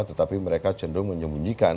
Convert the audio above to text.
tetapi mereka cenderung menyembunyikan